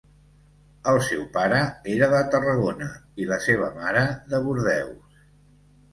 El seu pare era de Tarragona i la seva mare de Bordeus.